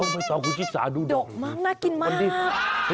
ดอกมากน่ากินมาก